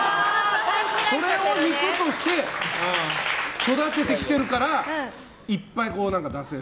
それを肉として育ててきてるからいっぱい出せる。